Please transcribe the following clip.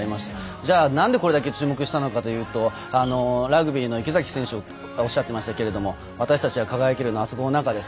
じゃあ何でこれだけ注目したのかというとラグビーの池崎選手がおっしゃってましたけど私たちは輝けるのはあそこの中でも。